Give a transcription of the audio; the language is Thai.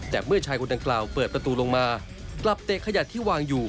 แต่เมื่อชายคนดังกล่าวเปิดประตูลงมากลับเตะขยะที่วางอยู่